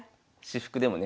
私服でも？